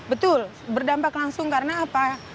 betul berdampak langsung karena apa